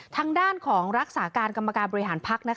ทางด้านของรักษาการกรรมการบริหารพัก